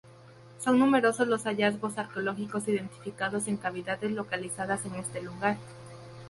Son numerosos los hallazgos arqueológicos identificados en cavidades localizadas en este lugar.